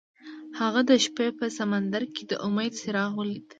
هغه د شپه په سمندر کې د امید څراغ ولید.